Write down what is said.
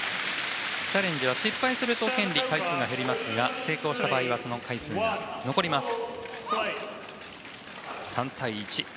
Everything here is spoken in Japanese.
チャレンジは失敗すると権利の回数が減りますが成功した場合はその回数が残ります。